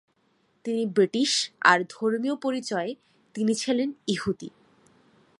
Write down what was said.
তিনি ব্রিটিশ আর ধর্মীয় পরিচয়ে তিনি ছিলেন ইহুদি।